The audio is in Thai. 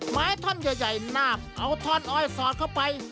ท่อนใหญ่นาบเอาท่อนอ้อยสอดเข้าไป